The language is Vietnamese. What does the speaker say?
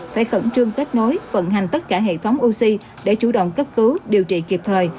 phải khẩn trương kết nối vận hành tất cả hệ thống oxy để chủ động cấp cứu điều trị kịp thời